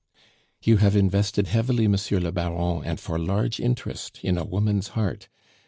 "You have invested heavily, Monsieur le Baron, and for large interest, in a woman's heart.